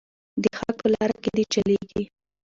د حق په لاره کې دې چلیږي.